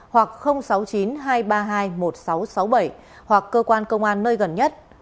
hoặc sáu mươi chín hai trăm ba mươi hai một nghìn sáu trăm sáu mươi bảy hoặc cơ quan công an nơi gần nhất